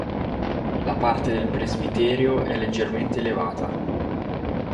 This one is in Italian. La parte del presbiterio è leggermente elevata.